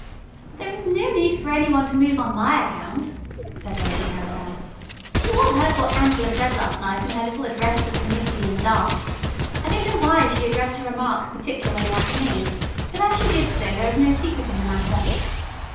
"There is no need for any one to move on my account," said Lady Arabel. "You all heard what Angela said last night in her little address to the committee in the dark. I don't know why she addressed her remarks particularly at me, but as she did so, there is no secret in the matter.